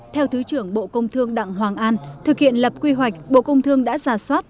theo thứ trưởng bộ công thương đặng hoàng an thực hiện lập quy hoạch bộ công thương đã giả soát